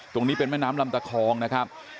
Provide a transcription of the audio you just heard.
ตรงนี้เป็นแม่น้ำลำตะคองนะครับ